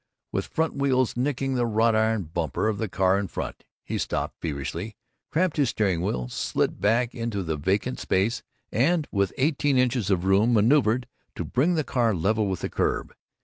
With front wheels nicking the wrought steel bumper of the car in front, he stopped, feverishly cramped his steering wheel, slid back into the vacant space and, with eighteen inches of room, manœuvered to bring the car level with the curb.